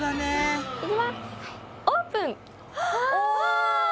オープン！